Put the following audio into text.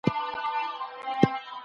دفاع وزارت نوی تړون نه لاسلیک کوي.